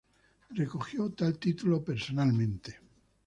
Recogió tal título personalmente.